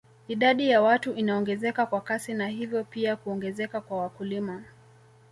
Idadi ya watu inaongezeka kwa kasi na hivyo pia kuongezeka kwa wakulima